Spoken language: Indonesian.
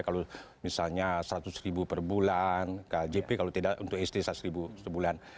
kalau misalnya seratus ribu per bulan kjp kalau tidak untuk sd seratus ribu sebulan